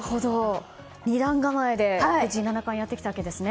２段構えで藤井七冠がやってきたわけですね。